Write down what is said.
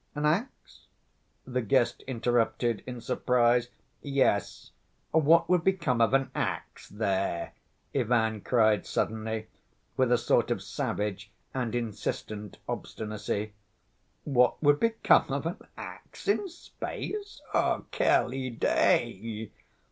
"An ax?" the guest interrupted in surprise. "Yes, what would become of an ax there?" Ivan cried suddenly, with a sort of savage and insistent obstinacy. "What would become of an ax in space? _Quelle idée!